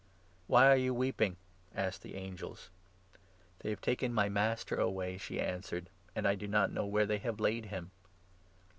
" Why are you weeping ?" asked the angels. 13 "They have taken my Master away," she answered, "and I do not know where they have laid him."